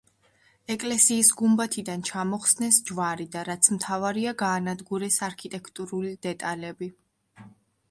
ეკლესიის გუმბათიდან ჩამოხსნეს ჯვარი და რაც მთავარია გაანადგურეს არქიტექტურული დეტალები.